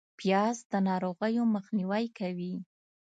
پیاز د ناروغیو مخنیوی کوي